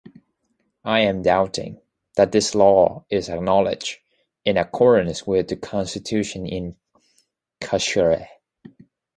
I am doubting, that this law is acknowledged in accordance with the constitution in Karlsruhe.